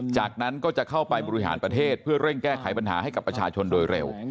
จากนั้นก็จะเข้าไปบริหารประเทศเพื่อเร่งแก้ไขปัญหาให้กับประชาชนโดยเร็ว